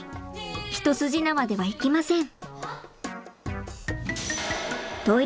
一筋縄ではいきません。